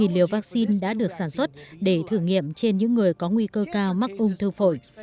một mươi liều vaccine đã được sản xuất để thử nghiệm trên những người có nguy cơ cao mắc ung thư phổi